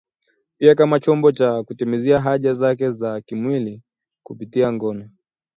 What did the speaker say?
pia kama chombo cha kutimizia haja zake za kimwili kupitia ngono